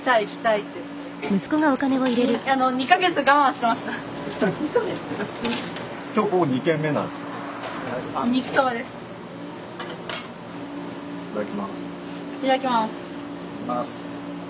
いただきます。